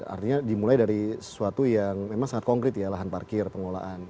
artinya dimulai dari sesuatu yang memang sangat konkret ya lahan parkir pengelolaan